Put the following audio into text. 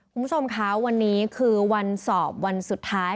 คุณผู้ชมคะวันนี้คือวันสอบวันสุดท้าย